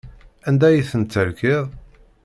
Anda ay ten-terkiḍ?